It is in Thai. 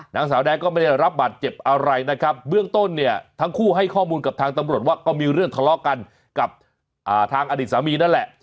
นางสาวแดงก็ไม่ได้รับบาดเจ็บอะไรนะครับเบื้องต้นเนี่ยทั้งคู่ให้ข้อมูลกับทางตำรวจว่าก็มีเรื่องทะเลาะกันกับทางอดีตสามีนั่นแหละ